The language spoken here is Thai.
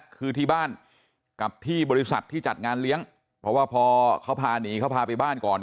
คือที่บ้านกับที่บริษัทที่จัดงานเลี้ยงเพราะว่าพอเขาพาหนีเขาพาไปบ้านก่อน